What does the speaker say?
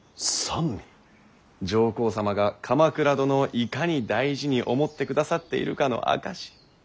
上皇様が鎌倉殿をいかに大事に思ってくださっているかの証し。